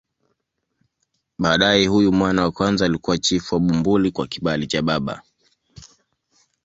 Baadaye huyu mwana wa kwanza alikuwa chifu wa Bumbuli kwa kibali cha baba.